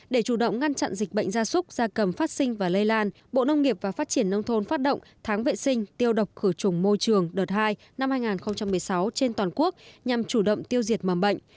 để chủ động ngăn chặn dịch bệnh gia súc gia cầm phát sinh và lây lan bộ nông nghiệp và phát triển nông thôn phát động tháng vệ sinh tiêu độc khử trùng môi trường đợt hai năm hai nghìn một mươi sáu trên toàn quốc nhằm chủ động tiêu diệt mầm bệnh